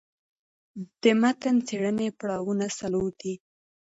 د متن څېړني پړاوونه څلور دي.